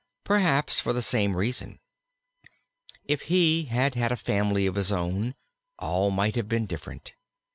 Perhaps for the same reason. If he had had a family of his own all might have been different.